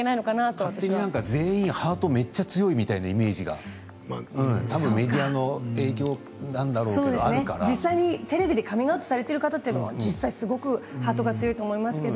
勝手に全員ハートがめっちゃ強いみたいなイメージが、たぶんメディアの影響なんだ実際テレビでカミングアウトされている方はハートが強いと思いますけど。